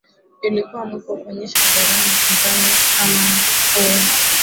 ilikuwa mwiko kuonyesha hadharani upinzani kama huo